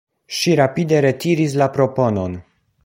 Ŝi rapide retiris la proponon.